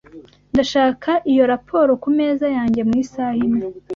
Ndashaka iyo raporo kumeza yanjye mu isaha imwe.